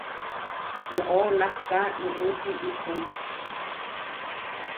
Noʼó nakká nuʼúti úhu.